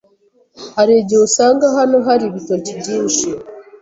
Hari igihe usanga hano hari ibitoki byinshi,